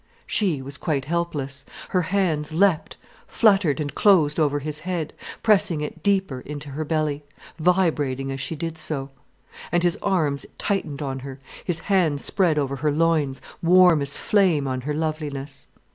She was quite helpless. Her hands leapt, fluttered, and closed over his head, pressing it deeper into her belly, vibrating as she did so. And his arms tightened on her, his hands spread over her loins, warm as flame on her loveliness.